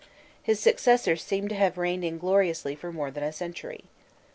His successors seem to have reigned ingloriously for more than a century.